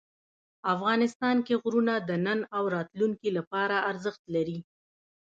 افغانستان کې غرونه د نن او راتلونکي لپاره ارزښت لري.